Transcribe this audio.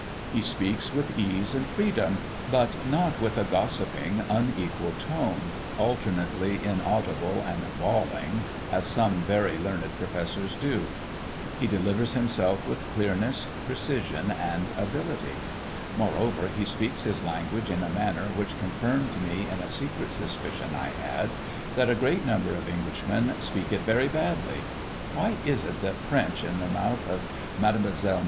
He speaks with ease and freedom, but not with a gossiping unequal tone, alternately inaudible and bawling, as some very learned professors do; he delivers himself with clearness, precision, and ability. Moreover, he speaks his language in a manner which confirmed me in a secret suspicion I had, that a great number of Englishmen speak it very badly. Why is it that French in the mouth of Mdlle.